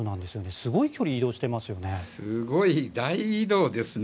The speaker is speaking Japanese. すごい距離を移動してますよね。